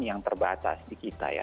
yang terbatas di kita ya